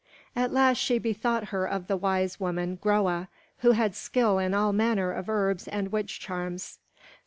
At last she bethought her of the wise woman, Groa, who had skill in all manner of herbs and witch charms.